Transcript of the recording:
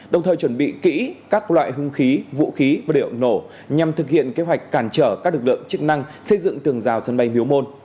đồng thời chuẩn bị kỹ các loại hung khí vũ khí và liệu nổ nhằm thực hiện kế hoạch cản trở các lực lượng chức năng xây dựng tường rào sân bay miếu môn